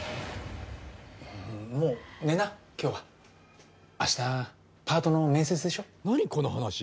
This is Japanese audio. もう寝な今日は明日パートの面接でしょ？